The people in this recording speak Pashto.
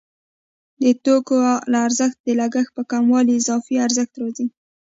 د توکو له ارزښت د لګښت په کمولو اضافي ارزښت راځي